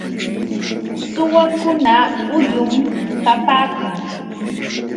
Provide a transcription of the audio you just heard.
Suwakuna huyum kapaakun.